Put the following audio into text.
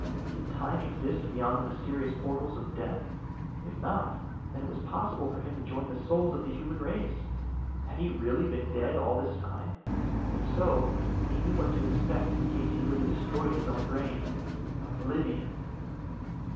Did time exist beyond the mysterious portals of death? If not, then it was possible for him to join the souls of the human race. Had he really been dead all this time? If so, he knew what to expect in case he really destroyed his own brain. Oblivion!